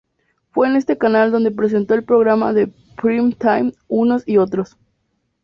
Fue en este canal donde presentó el programa de prime time "Unos y otros".